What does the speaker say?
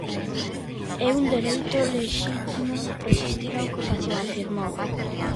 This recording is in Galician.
"É un dereito lexítimo resistir a ocupación", afirmou.